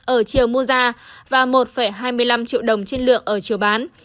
ở chiều mua ra và một hai mươi năm triệu đồng trên lượng ở chiều bán